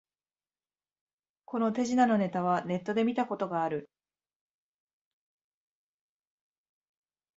この手品のネタはネットで見たことある